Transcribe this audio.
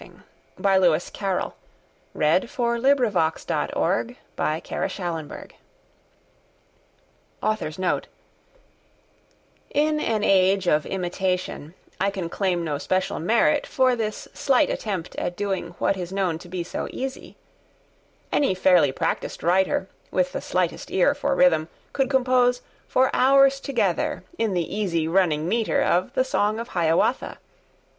Yt ys—thys bytte of rhyme. [Picture: I have a horse] HIAWATHA'S PHOTOGRAPHING [In an age of imitation, I can claim no special merit for this slight attempt at doing what is known to be so easy. Any fairly practised writer, with the slightest ear for rhythm, could compose, for hours together, in the easy running metre of 'The Song of Hiawatha.